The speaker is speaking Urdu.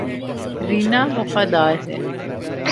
رینا وفادار ہے